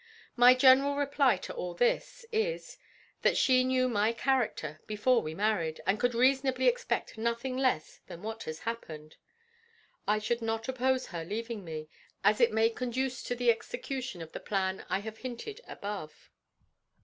My general reply to all this is, that she knew my character before we married, and could reasonably expect nothing less than what has happened. I shall not oppose her leaving me, as it may conduce to the execution of the plan I have hinted above.